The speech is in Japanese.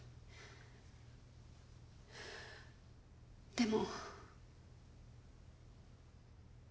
でも。